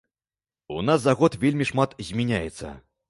У нас за год вельмі шмат змяняецца.